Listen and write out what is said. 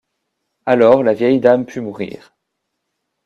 Alors la vieille dame put mourir.